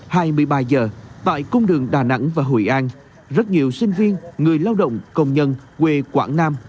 hai mươi ba giờ tại cung đường đà nẵng và hội an rất nhiều sinh viên người lao động công nhân quê quảng nam